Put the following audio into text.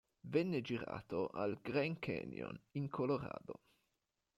Venne girato al Grand Canyon, in Colorado.